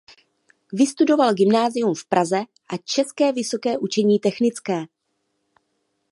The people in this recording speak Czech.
Vystudoval gymnázium v Praze a České vysoké učení technické.